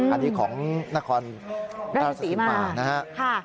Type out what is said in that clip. อันนี้ของนครราชศรีมานะครับ